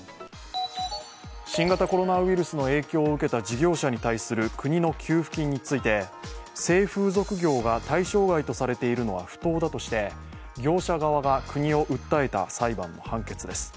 新型コロナウイルスの影響を受けた事業者に対する国の給付金について性風俗業が対象外とされているのは不当だとして、業者側が国を訴えた裁判の判決です。